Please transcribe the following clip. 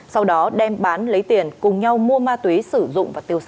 sau đó đem bán lấy tiền cùng nhau mua ma túy sử dụng và tiêu xài